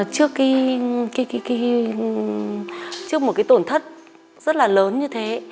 trước một cái tổn thất rất là lớn như thế